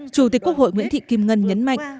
chủ tịch quốc hội nguyễn thị kim ngân nhấn mạnh